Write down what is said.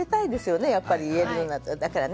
だからね